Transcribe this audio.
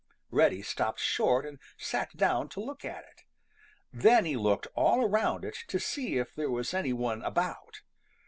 Reddy stopped short and sat down to look at it. Then he looked all around it to see if there was any one about.